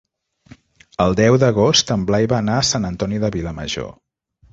El deu d'agost en Blai va a Sant Antoni de Vilamajor.